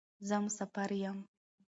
زه مسافر یم.